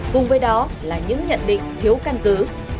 cùng với đó là những nhận định thiếu căn cứ